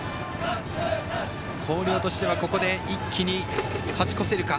広陵としてはここで一気に勝ち越せるか。